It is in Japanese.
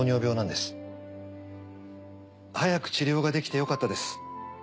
早く治療ができてよかったです。